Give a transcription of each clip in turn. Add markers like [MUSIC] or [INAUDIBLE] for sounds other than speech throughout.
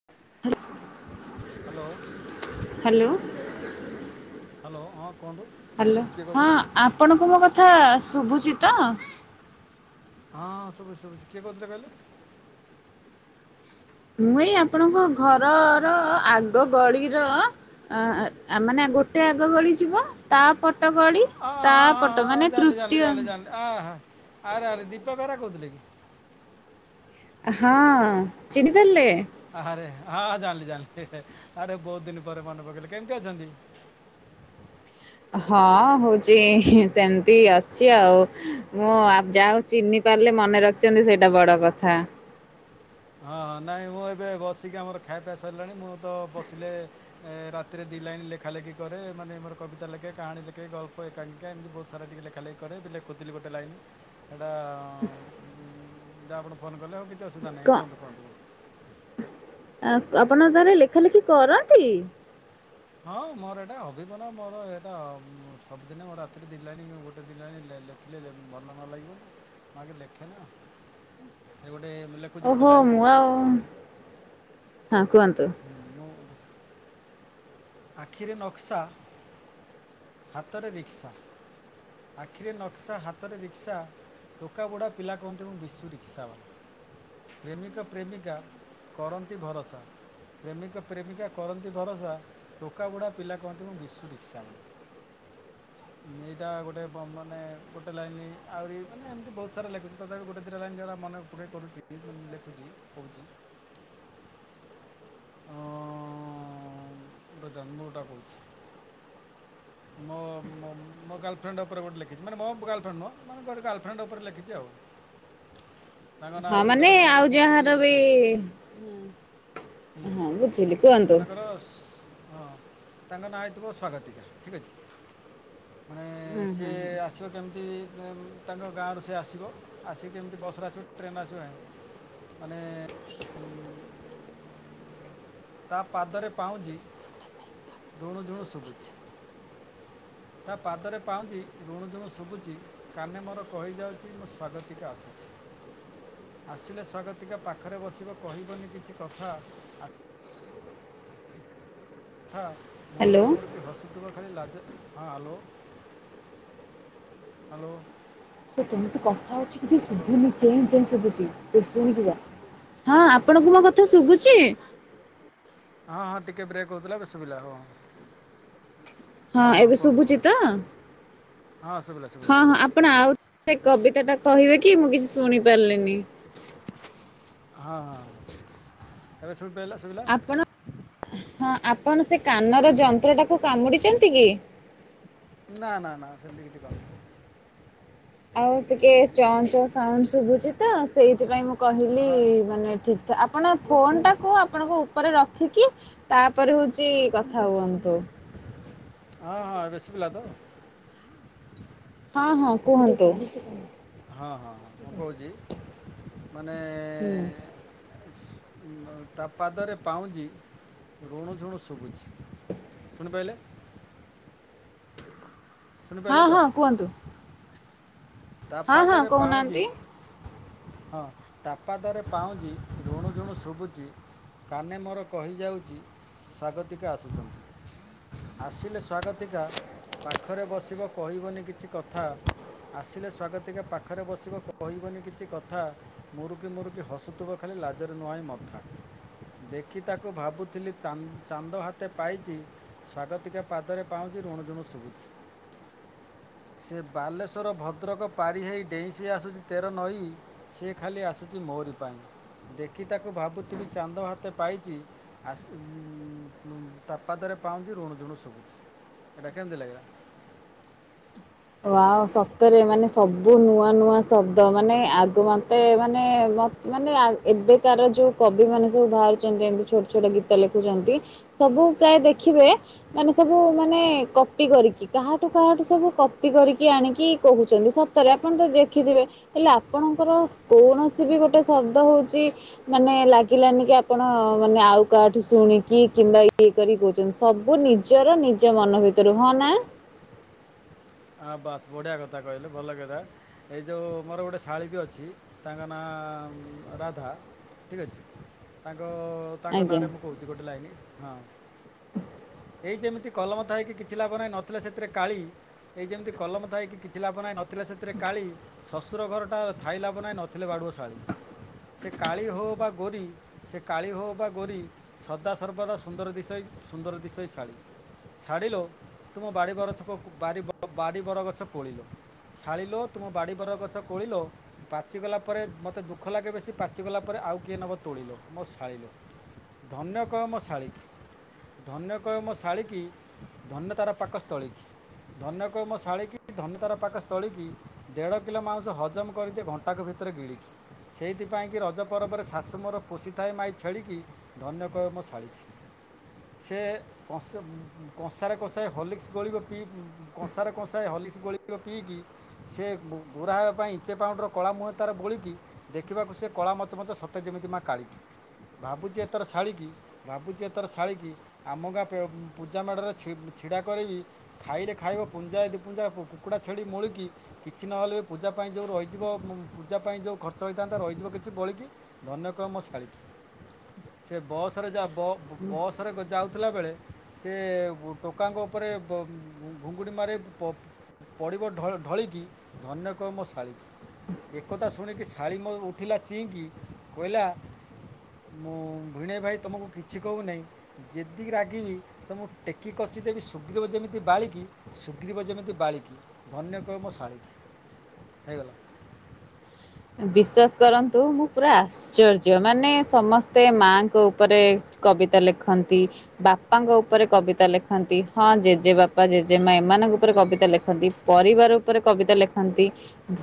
Hello. Hello hello ହଁ କୁହନ୍ତୁ। Hello କିଏ ହଁ କହୁଥିଲେ? ଆପଣଙ୍କୁ ମୋ କଥା ଶୁଭୁଛି ତ? ହଁ ହଁ ଶୁଭୁଛି ଶୁଭୁଛି କିଏ କହୁଥିଲେ କହିଲେ? ମୁଁ ଏଇ ଆପଣଙ୍କ ଘରର ଆଗ ଗଳିର ଅ ମାନେ ଗୋଟେ ଆଗ ଗଳି ଯିବ। ତା ପଟ ଗଳି ତା ପଟ ମାନେ ଜାଣିଲି ଜାଣିଲି ତୃତୀୟ ଜାଣିଲି ଜାଣିଲି ଆଁ ହଁ ଆରେ ଆରେ ଦୀପା ବେହରା କହୁଥିଲେ କି? ହଁ ଚିହ୍ନି ପାରିଲେ? ଆରେ ହଁ ଜାଣିଲି ଜାଣିଲି ଆରେ ବହୁତ ଦିନ ପରେ ମନେ ପକେଇଲେ କେମତି ଅଛନ୍ତି। ହଁ ହଉଛି ସେମିତି ଅଛି ଆଉ ମୁଁ ଯାଉ ଚିହ୍ନି ପାରିଲେ ମନେ ରଖିଛନ୍ତି ସେଇଟା ବଡ଼ କଥା। ହଁ ହଁ ନାଇଁ ମୁଁ ଏବେ ବସିକି ଆମର ଖାଇବା ପିଇବା ସରିଲାଣି ମୁଁ ତ ବସିଲେ ଏ ରାତିରେ ଦି ଲାଇନ ଲେଖା ଲେଖି କରେ ମେ ମୋର କିତା ଲେ କାହାଣି ଗଳ୍ପ ଏକାଙ୍କା ଏମିତି ବହୁତ ସାରା ଟିକେ ଲେଖେ। ଲେଖା ଖାଲି କରେ ବି ଲେଖୁଥିଲି ଗୋଟେ ଲାଇନ୍ ସେଇଟା ଯାହା ଆପଣ ଫୋନ୍ କଲେ ହୋଉ କି କ ଆ, ଆପଣ ତହାରେ ଲେଖା ଲେଖି କରନ୍ତି? ହଁ ମୋର ଏଇଟା ହବି ମନା ମୋର ହେଟା ମୁଁ ସବୁଦିନେ ମୋ ରାତିରେ ଦି ଲାଇନି ମୁଁ ଗୋଟେ ଦି ଲାଇନି ଲେ ଲେଖେ। ଖିଲେ ଭଲ ନ ଲାଗିବ। ମୁଁ ଆଗେ ଲେଖେ ନା ଏ ଗୋଟେ ମୁଁ ଲେ ଓହୋ! ମୁଁ ଆଉ ହଁ କୁହନ୍ତୁ। ହଁ ମୋର ଆଖିରେ ନକ୍ସା ହାତରେ ରିକ୍ସା ଆଖିରେ ନକ୍ସା ହାତରେ ରିକ୍ସା ଟୋକା ବୁଢା ପିଲା କୁହନ୍ତି ମୁଁ ବିଶୁ ରିକ୍ସା ବାଲା। ପ୍ରେମିକ ପ୍ରେମିକା କରନ୍ତି ଭରସା ପ୍ରେମିକ ପ୍ରେମିକା କରନ୍ତି ଭରସା ଟୋକା ବୁଡ଼ା ପିଲା କହନ୍ତି ମୁଁ ବିଶ୍ୱ ରିସ୍କା ବାଲା। ହ ଏଇଟା ଗୋଟେ ବ-ମାନେ ଗୋଟେ ଲାଇନି ଆଉରି ମାନେ ଏମିତି ବହୁତ ସାରା ଲେଖୁଛି। ତଥାପି ଗୋଟେ ଦିଟା ଲାଇନ୍ ଯୋଉଟା ମନେ [INAUDIBLE] କରୁଚି ମାନେ ଲେଖୁଚି, କହୁଚି ହ ଅଁ, ଗୋଟେ ଜନ୍ମଟା କହୁଛି। ହ ମୋ ମୋ ମୋ ଗାଲଫ୍ରେଣ୍ଡ ଉପରେ ଗୋଟେ ଲେଖଛି। ମୋ ଗାଲଫ୍ରେଣ୍ଡ ନୁହଁ ମାନେ ଯାହାର ଗାଲଫ୍ରେଣ୍ଡ ଉପରେ ଲେଖିଚୀ ଆଉ। ତାଙ୍କ ନାଁ ହଁ ହେଉଛି ଧର ମାନେ ମନେକର ଆଉ କହୁଛି ଯାହାର ବି ହଁ ବୁଝିଲି କୁହନ୍ତୁ। ଦଶ ହଁ ତାଙ୍କ ନାଁ ହେଇଥିବ ସ୍ଵାଗତିକା ଠିକ୍ ଅଛି। ମାନେ ହୁଁ ସେ ହୁଁ ହୁଁ। ଆସିବ କେମିତି ଏ ତାଙ୍କ ଗାଁରୁ ସେ ଆସିବ। ଆସିକି କେମିତି ବସ୍ ରେ ଆସିବ ଟ୍ରେନ୍ ରେ ଆସିବ ନାହିଁ। ମାନେ ତା ପାଦରେ ପାଉଁଜି ରୁଣୁ ଝୁଣୁ ଶୁଭୁଛି। ତା ପାଦରେ ପାଉଁଜି ରୁଣୁ ଝୁଣୁ ଶୁଭୁଚି। କାନେ ମୋର କହିଯାଉଛି ମୁଁ ସ୍ଵାଗତିକା ଆସୁଛି। ଆସିଲେ ସ୍ଵାଗତିକା ପାଖରେ ବସିବ କହିବନି କିଛି କଥା ଆ- ଥା ହ୍ୟାଲୋ ମୁରୁକି ମୁରୁକି ହସୁ ଥିବ ଖାଲି ଲାଜେ ହଁ ହାଲୋ, ହାଲୋ ସେ କେମିତି କଥା ହଉଛି କିଛି ଶୁଭୁନି ଚେଁ ଚେଁ ଶୁଭୁଛି ତୁ ଶୁଣିବୁ ଯା। ହଁ ଆପଣଙ୍କୁ ମୋ କଥା ଶୁଭୁଛି? ହଁ, ହଁ ଟିକେ ବ୍ରେକ୍ ହଉଥିଲା ଏବେ ଶୁଭିଲା ହଁ, ହଁ। ହଁ, ହଁ ଏବେ କୁହନ୍ତୁ, ଶୁଭୁଛି କୁହନ୍ତୁ, ତ? ହଁ, ଶୁଭିଲା, ଶୁଭିଲା, ହଁ ହଁ ଶୁଭିଲା। ଆପଣ ଆଉ ସେ କବିତାଟା କହିବେ କି ମୁଁ କିଛି ଶୁଣି ପାରଲିନି? ହଁ, ହଁ, ହଁ, ଏବେ ଶୁଣି ପାଇଲ, ଶୁବିଲା? ଆପଣ ହଁ ଆପଣ ସେ କାନର ଯନ୍ତ୍ର ଟାକୁୁ କାମୁଡିଚନ୍ତି କି? ନା, ନା, ନା ସେମିତି କିଛି କରିନି। ଆଉ ଟିକେ ଚଁ ଚଁ ସାଉଣ୍ଡ ଶୁଭୁଛି ତ ସେଇଥିପାଇଁ ମୁଁ କହିଲି ହଁ ମାନେ ଠିକ୍ ତ ଆପଣ ଫୋନ୍ ଟାକୁ ଆପଣଙ୍କ ଉପରେ ରଖିକି ତାପରେ ହଉଚି କଥା ହୁଅନ୍ତୁ। ହଁ, ହଁ ଏବେ ଶୁଭିଲା ତ? ହଁ, ହଁ, କୁହନ୍ତୁ। ହଁ, ହଁଁ, ହଁ, ମୁଁ କହୁଚି ମାନେ ସେ ମା-ତା ପାଦରେ ପାଉଁଜି ଋଣୁ ଝୁଣୁ ଶୁଭୁଛି ଶୁଣିପାଇଲେ। ହଁ, ଶୁଣିପାରିଲେ ତ ହଁ କୁହନ୍ତୁ। ତା ହଁ ହଁ ପାଦରେ ପାଉଁଜିି କହୁନାହାନ୍ତି ହଁ ତା ପାାଦରେ ପାଉଁଛି ଋଣୁ ଝୁଣୁ ଶୁଭୁଛି। କାନେ ମୋର କହିଯାଉଛି ସ୍ଵାଗତିକା ଆସୁଛନ୍ତି। ଆସିଲେ ସ୍ଵାଗତିକା ପାଖରେ ବସିବ କହିବନି କିଛି କଥା ଆସିଲେ ସ୍ଵାଗତିକା ପାଖରେ ବସିବ କହିବନି କିଛି କଥା ମୁରୁ କିି ମୁରୁ କିି ହସୁଥିବ ଖାଲି ଲାଜରେ ନୁହଁ ମଥା। ଦେଖି ତାକୁ ଭାବୁଥିଲି ଚାନ୍ ଚାନ୍ଦ ହାତେ ପାଇଛି। ସ୍ଵାଗତିକା ପାଦରେ ପାଉଁଛି ଋଣ ଝୁଣ ଶୁଭୁଛି। ସେ ବାଲେଶ୍ୱର, ଭଦ୍ରକ ପାରି ହେଇ ଡେଇଁ ସି ଆସୁଛି ତେର ନଈ ସି ଏ ଖାଲି ଆସୁଛି ମୋରି ପାଇଁ। ଦେଖି ତାକୁ ଭାବୁଥିବି ଚାନ୍ଦ ହାତେ ପାଇଚି ଆସ ତା ପାଦରେ ପାଉଁଜି ଋଣୁ ଝୁଣୁ ଶୁଭୁଛି। ଏଇଟା କେମିତି ଲାଗିଲା? ୱାଓ ସତରେ ମାନେ ସବୁ ନୂଆ ନୂଆ ଶବ୍ଦ ମାନେ ଆଗ ମତେ ମାନେ ମ ମାନେ ଏବେ ତାର ଯୋଉ କବି ମାନେ ସବୁ ବାହାରୁଛନ୍ତି ଏମିତି ଛୋଟ ଛୋଟ ଗୀ ତ ଲେଖୁଛନ୍ତି ସବୁ ପ୍ରାୟ ଦେଖିବେ ମାନେ ସବୁ ମାନେ କପି କରିକି କାହାଠୁ କାହାଠୁ ସବୁ କପ ପି କରିକି ଆଣିକି କହୁଛନ୍ତି ସତରେ ଆପଣ ତ ଦେଖିଥିବେ ହେଲେ ଆପଣଙ୍କର କୌଣସି ବି ଗୋଟେ ଶବ୍ଦ ହଉଛି ମାନେ ଲାଗିଲାନି କି ଆପଣ ମାନେ ଆଉ କାହାଠୁ ଶୁଣିକି କିମ୍ବା ଇଏ କରି କହୁଛନ୍ତି ସବୁ ନିଜର ନିଜ ମନ ଭିତରୁ ହଁ ନା। ହଁ ବାସ୍ ବଢ଼ିଆ କଥା କହିଲେ ଭଲ କଥା। ଏଇ ଯେଉଁ ମୋର ଗୋଟିଏ ଶାଳୀ ବି ଅଛି ତାଙ୍କ ନାଁ ରାଧା। ଠିକ୍ ଅଛି ତାଙ୍କ ତାଙ୍କ ଆଜ୍ଞା। ନାଁରେ ମୁଁ କହୁଛି ଗୋଟେ ଲାଇନ ହଁ। ଏଇ ଯେମିତି କଲମ ଥାଇକି କିଛି ଲାଭ ନାହିଁ ନଥିଲେ ସେଥିରେ କାଳି ଏଇ ଯେମିତି କଲମ ଥାଇକି କିଛି ଲାଭ ନାହିଁ ନଥିଲା ସେଥିରେ କାଳି ଶ୍ୱଶୁର ଘରଟା ଥାଇଲାଭ ନାହିଁ ନଥିଲେ ବାଡ଼ୁଆ ଶାଳୀ। ସେ କାଳି ହେଉ ବା ଗୋରି ସେ କାଳି ଗୁଉ ବା ଗୋରି ସଦା ସର୍ବଦା ସୁନ୍ଦର ଦିଶ ଇ ସୁନ୍ଦର ଦିଶୋଇ ଶାଳୀ। [UNINTELLIGIBLE] ତ ବାଡ଼ି ବର ଗଛ କୋଳିଲୋ ଛାଳିଲୋ ତୁମ ବାଡ଼ି ବର ଗଛ କୋଳିଲୋ ପାଚିଗଲା ପରେ ମୋତେ ଦୁଃଖ ଲାଗେ ବେଶୀ ପାଚିଗଲା ପରେ ଆଉ କିଏ ନେବ ତୋଳିଲୋ ମୋ ଶାଳିଲୋ। ଧନ୍ୟ କହ ମୋ ଶାଳିକି। ଧନ୍ୟ କହେ ମୋ ଶାଳୀ କି ଧନ୍ୟ ତାର ପାକ ସ୍ଥଳୀଛି। ଧନ୍ୟକମ ଶାଳୀ କି ଧନ୍ୟ ତାର ପାଖ ସ୍ଥଳୀ କି ଦେଢ଼ କିଲୋ ମାଉଁସ ହଜମ କରିଦିଏ ଘଣ୍ଟାକୁ ଭିତରେ ଗିଳିକି। ସେଇଥିପାଇଁ କିି ରଜ ପର୍ବରେ ଶାଶୁ ମୋର ପୋଷିଥାଏ ମାଇଁ ଛେଳି କି ଧନ୍ୟ କହେ ମୋ ଶାଢ଼ୀ କି। ସେ କଂସ କଂସାରେ କଂସାରେ ହଲିକ୍ସ ଗୋଳିବ ପିଇ କଂସାରେ କଂସାଏ ହଲିସ୍ ଗୋଳିକ ପିଇକି ସେ ଗୋରା ହେବା ପାଇଁ ଇଞ୍ଚେ ପାଉଣ୍ଡର କଳା ମୁହଁ ତାର ବୋଳିକି ଦେଖିବାକୁ ସେ କଳା ମୋଚ ମୋଚ ସତେ ଯେମିତି ମା କାଳିକି ଭାବୁଛି ଏଥର ଶାଳୀ କି ଭାବୁଛି ଏଥର ଶାଳୀ କି ଆମ ଗାଁ ପେ ପୂଜା ମାଡ଼ରେ ଛି ଛିଡ଼ା କରିବି ଖାଇଲେ ଖାଇବ ପୁଞ୍ଜାଏ ଦୁି ପୁଞ୍ଜ କୁକୁଡ଼ା ଛେଡ଼ି ମୂଳିକି କିଛି ନହେଲେ ବି ପୂଜା ପାଇଁ ଯେଉଁ ରହିଯିବ ପୂଜା ପାଇଁ ଯେଉଁ ଖର୍ଚ୍ଚ ହୋଇଥାନ୍ତା ରହିଯିବ କିଛି ବୋଳିକି ଧନ୍ୟକହ ମୋ ଶାଳି କି। ସେ ବସରେ ଯ ବ ବସ ରେ ଯାଉଥିଲାବେଳେ ସେ ଟୋକାଙ୍କ ଉପରେ ବ କୁକୁଡ଼ି ମାରେ ପ ପଡ଼ିବ ଢଳିକି ଧନ୍ୟ କହ ମୋ ଶାଳୀ କି। ଏକଥା ଶୁଣିକି ଶାଳି ମ ଉଠିଲା ଚିଁକି କହିଲା ମୁଁ ଭଣେଇ ଭାଇ ତମକୁ କିଛି କହୁନହିଁ ଯେତିକି ରାଗିବି ତ ମୁଁ ଟେକି କଚି ଦେବି ଶୁଗ୍ରିବ ଯେମିତି ବାଳିକି ଶୁଗ୍ରିବ ଯେମିତି ବାଳିକି ଧନ୍ୟ କହ ମୋ ଶାଳିକି ହେଇଗଲା। ବିଶ୍ଵାସ କରନ୍ତୁ ମୁଁ ପୁରା ଆସ ଆଶ୍ଚର୍ଯ୍ୟ ମାନେ ସମସ୍ତେ ମାଙ୍କ ଉପରେ କବିତା ଲେଖନ୍ତି। ବାପାଙ୍କ ଉପରେ କବିତା ଲେଖନ୍ତି ହଁ ଜେଜେ ବାପା ଜେଜେ ମା ଏମାନଙ୍କ ଉପରେ କବିତା ଲେଖନ୍ତି। ପରିବାର ଉପରେ କବିତା ଲେଖନ୍ତି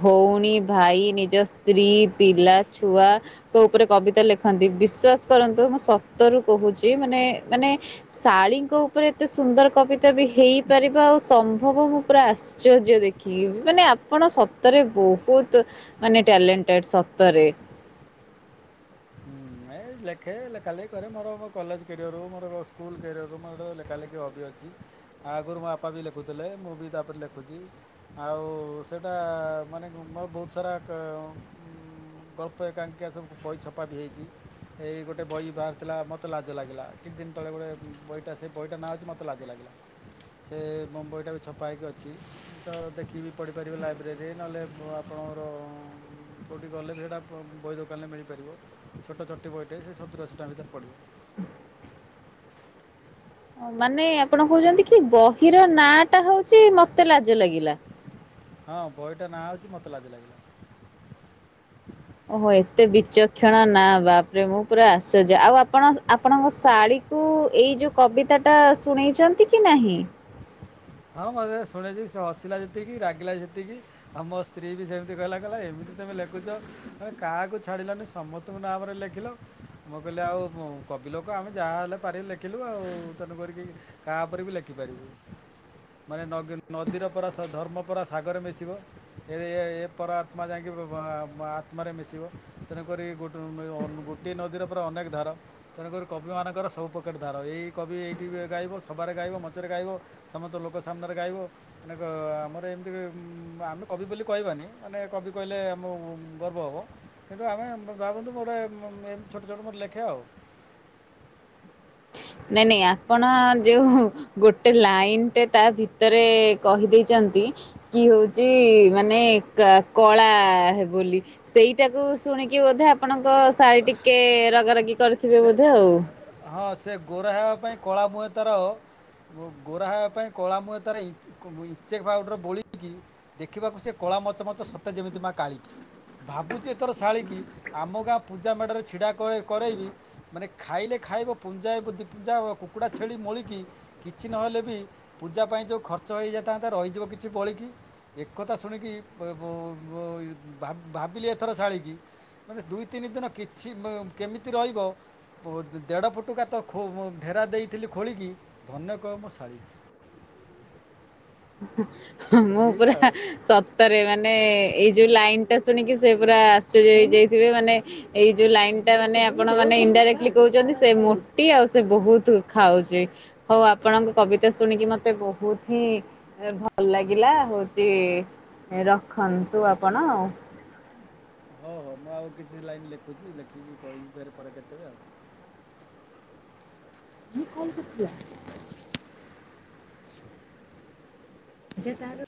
ଭଉଣୀ ଭାଇ ନିଜ ନିଯ ସ୍ତ୍ରୀ ପିଲା ଛୁଆ ତୋ ଉପରେ କବିତା ଲେଖନ୍ତି ବିଶ୍ଵାସ କରନ୍ତୁ ମୁଁ ସତରୁ କହୁଛି ମାନେ ମାନେ ଶାଳୀଙ୍କ ଉପରେ ଏତେ ସୁନ୍ଦର କବିତା ବି ହେଇପାରିବା ଆଉ ସମ୍ଭବ ମୁଁ ପୁରା ଆସୁ ଆଶ୍ଚର୍ଯ୍ୟ ଦେଖି ମାନେ ଆପଣ ସପ୍ତରେ ବହୁତ ମାନେ ଟ୍ୟାଲେଣ୍ଟେଡ଼୍ ସତରେ। ହୁଁ ଏ ଲେଖେ ଲେଖା ଲେଖି କରେ ମୋର ମୋ କଲେଜ କ୍ୟାରିୟର୍ରୁ ମୋର ସ୍କୁଲ କ୍ୟାରିୟରରୁ ମୋରୋ ଲେଖା ଲେଖି ହବି ଅଛି। ଆ ଆଗରୁ ମୋ ବାପା ବି ଲେଖୁଥିଲେ ମୁଁ ବି ତାପରେ ଲେଖୁଛି। ଆଉ ସେଇଟା ମାନେ ମର ବହୁତ ସାରା ଗଳ୍ପ ଏକାଙ୍କିଆ ସବୁ ବହି ଛପା ବି ହୋଇଇଛି। ଏଇ ଗୋଟେ ବହି ବାହାରିଥିଲା ମୋତେ ଲାଜ ଲାଗିଲା କିଛି ଦିନ ତଳେ ଗୋଟେ ବହିଟା ସେ ବହିଟା ନାଁ ହେଉଛି ମୋତେ ଲାଜ ଲାଗିଲା। ହ ସେ ମୁମ୍ବାଇଟାକୁ ଛପା ହେଇକି ଅଛି ତ ଦେଖିକି ପଢିପାରିବେ ଲାଇବ୍ରେରୀ ନହେଲେ ଆପଣଙ୍କର କେଉଁଠି ଗଲେ ବି ସେଇଟା ବହି ଦୋକାନରେ ମିଳିପାରିବ। ଛୋଟ ଛୋଟି ବୟଟିଏ ସେ ସତୁଅଶୀ ଟଙ୍କା ଭିତରେ ପଡ଼ିବ। ଓ ମାନେ ଆପଣ କହୁଚନ୍ତି ଏମିତି କି ବହିର ନା ଟା ହଉଚି ମତେ ଲାଜ ଲାଗିଲା। ହଁ ବହିଟା ନାଁ ହଉଚି ମତେ ଲାଜି ଲାଗିଲା। ଓହୋ ଏତେ ବିଚକ୍ଷଣ ନା ବାପରେ ମୁଁ ପୁରା ଆଶ୍ଚର୍ଯ୍ୟ ଆଉ ଆପଣ ଆପଣଙ୍କ ଶାଢ ତୁ ଏଇ ଯୋଉ କବିତା ଟା ଶୁଣେଇଚନ୍ତି କି ନାହିଁ ହଁ ମଧ୍ୟ ସୁଣେଇଚି ସେ ହସିଲା ଯେତିକି ରାଗିଲା ସେତିକି। ଆଉ ମୋ ସ୍ତ୍ରୀ ବି ସେମିତି କହିଲା କହିଲା ଏମିତି ତମେ ଲେଖୁଛ କାହାକୁ ଛାଡ଼ିଲନି ସମ ତୁମ ନାମରେ ଲେଖିଲ ମୁଁ କହିଲି ଆଉ କ କବି ଲୋକ ଆମେ ଯାହାହେଲେ ପାରିଲୁ ଲେଖିଲୁ ଆଉ ତେଣୁ କରିକି କାହା ଉପରେ ବି ଲେଖିପାରିବୁ। ମାନେ ନଗିର ନଦୀର ପରାସ ଧର୍ମ ପରା ସାଗରେ ମିଶିବ ଏ ଏ ପରମାତ୍ମା ଯାଇକି ବ ବ ବା ଆତ୍ମାରେ ମିଶିବ ତେଣୁକରି ଗୋଟେ [UNINTELLIGIBLE] ଏ ନଦୀର ପରା ଅନେକ ଧାର। ତେଣୁକରି କବି ମାନଙ୍କର ସବୁପ୍ରକାର ଧାର ଏଇ କବି ଏଇଠି ବି ଗାଇବ ସଭାରେ ଗାଇବ ମଞ୍ଚରେ ଗାଇବ। ସମତ ଲୋକ ସାମ୍ନାରେ ଗାଇବ। ଦେଖ ଆମର ଏମିତି ଆମେ କବି ବୋଲି କହିବାନି ମାନେ କବି କହିଲେ ଆମ ଗର୍ବ ହବ। କିନ୍ତୁ ଆମେ ଭାବନ୍ତୁ ଗୋଟେ ଏମିତି ଛୋଟ ଛୋଟ ମୋର ଲେଖେ ଆଉ। ନାଇଁ ନାଇଁ ଆପଣ ଯେଉଁ ଗୋଟେ ଲାଇନ୍ ଟେ ତା ଭିତରେ କହିଦେଇଚନ୍ତି କି ହଉଚି ମାନେ କା କଳା ହେବ ବୋଲି। ସେଇଟାକୁ ଶୁଣିକି ବୋଧେ ଆପଣଙ୍କ ଶାଳୀ ଟିକେ ରଗାରଗି କରିଥିବେ ସେ ବୋଧେ ଆଉ। ହଁ ସେ ଗୋରା ହେବା ପାଇଁ କଳା ମୁହଁ ତାର ମୋ ଗୋରା ହେବା ପାଇଁ କଳା ମୁହଁ ତାର ଇଞ୍ଚ ଇଞ୍ଚେ ପାଉଡର ବୋଳି ହେଇକି ଦେଖିବାକୁ ସେ କଳା ମଚମଚ ସତେ ଯେମିତି ମା କାଳିି କି ଭାବୁଚି ଏଥର ଶାଳୀ କି ଆମ ଗାଁ ପୂଜା ମେଢ଼ରେ ଛିଡ଼ା କରେ କରେଇ ମାନେ ଖାଇଲେ ଖାଇବ ପୁଞ୍ଜା ଏ ଦିପୁଞ୍ଜା କୁକୁଡ଼ା ଛେଳି ମୋଳିକି କିଛି ନହେଲେ ବି ପୂଜା ପାଇଁ ଯଉଁ ଖର୍ଚ୍ଚ ହେଇଯାଇଥାନ୍ତା ରହିଯିବ କିଛି ବଳିକି ଏକତା ଶୁଣିକି ବ ବୋ ବ ଭା ଭାବିଲି ଏଥର ଶାଳୀ କି ମାନେ ଦୁଇ ତିନି ଦିନ କିଛି କେମିତି ରହିବ ପୋତ୍ ଦେଢ଼ ଫୁଟୁ ଗାତ ଖୋ ଢେରା ଦେଇଥିଲି ଖୋଳିକି ଧନ୍ୟ କହ ମୋ ଶାଳୀ କି। ମୁଁ ଏଇଆ ପୁରା ଆଉ ସ ସତରେ ମାନେ ଏଇ ଯେଉଁ ଲାଇନ୍ ଟା ଶୁଣିକି ସେ ପୁରା ଆଶ୍ଚର୍ଯ୍ୟ ହେଇଯାଇଥିବେ ମାନେ ଏଇ ଯୋଉ ଲାଇନ୍ ଟା ମାନେ ଆପଣ ମାନେ ଇନଡାରେକ୍ଟଲି କହୁଛନ୍ତି ସେ ମୋଟି ଆଉ ସେ ବହୁତ ଖାଉଚି। ହଉ ଆପଣଙ୍କ କବିତା ଶୁଣିକି ମୋତେ ବୋହୁତ ହି ଏବେ ଭଲ ଲାଗିଲା ହଉଛି ରଖନ୍ତୁ ଆପଣ ଆଉ ହଉ ହଉ ମୁଁ ଆଉ କିଛି ଲାଇନ୍ ଲେଖୁଛି ଲେଖିକି କହିବି ପରେ କେତେବେଳେ ଆଉ କିଏ କଲ୍ କରିଥିଲା? ଯେ ତାର